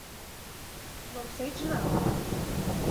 Não sei de nada.